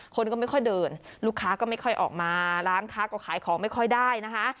คนก็ไม่ค่อยเดินลูกค้าก็ไม่ค่อยออกมาร้านค้าก็ขายของไม่ค่อยได้นะคะ